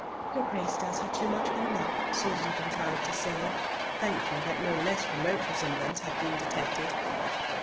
"Your grace does her too much honour," Susan contrived to say, thankful that no less remote resemblance had been detected.